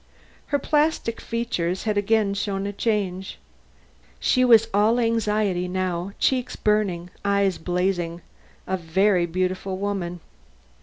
Her plastic features had again shown a change. She was all anxiety now; cheeks burning, eyes blazing a very beautiful woman.